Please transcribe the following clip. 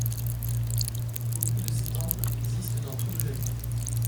Beaucoup de ces temples existent dans tout le Japon.